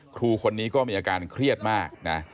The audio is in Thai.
ครูคนนี้ก็มีอาการเครียดมากนะ